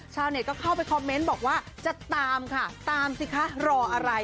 ชาวเน็ตก็เข้าไปคอมเมนต์บอกว่าจะตามค่ะตามสิคะรออะไร